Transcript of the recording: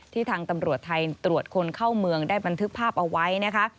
ทางตำรวจไทยตรวจคนเข้าเมืองได้บันทึกภาพเอาไว้นะคะ